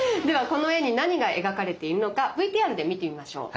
この絵に何が描かれているのかＶＴＲで見てみましょう！